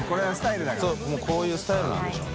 こういうスタイルなんでしょうね。